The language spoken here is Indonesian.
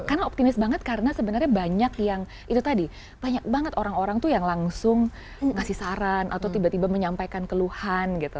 karena optimis banget karena sebenarnya banyak yang itu tadi banyak banget orang orang tuh yang langsung kasih saran atau tiba tiba menyampaikan keluhan gitu